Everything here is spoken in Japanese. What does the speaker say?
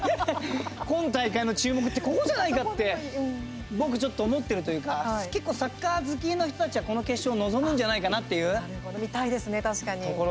今大会の注目ってここじゃないかって僕、ちょっと思ってるというか結構、サッカー好きの人たちはこの決勝を見たいですね、確かに。